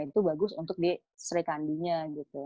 itu bagus untuk di sri kandi nya gitu